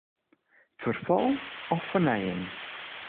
Ferfal of fernijing?